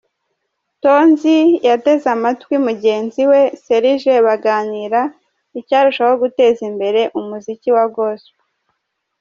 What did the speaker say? Tonzi yateze amatwi mugenzi we Serge baganira icyarushaho guteza imbere umuziki wa Gospel.